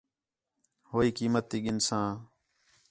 ہو ہی قیمت تی گِھنساں